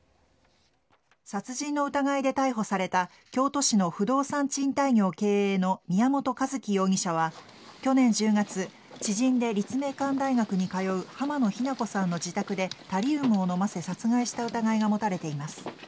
殺人の疑いで逮捕された京都市の不動産賃貸業経営の宮本一希容疑者は去年１０月知人で立命館大学に通う濱野日菜子さんの自宅でタリウムを飲ませ殺害した疑いが持たれています。